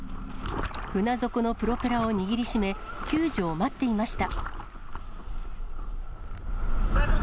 船底のプロペラを握りしめ、救助を待っていました。